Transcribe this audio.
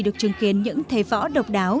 được chứng kiến những thể võ độc đáo